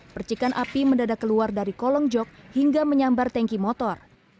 percikan api mendadak keluar dari kolong jok hingga menyambar tanki motor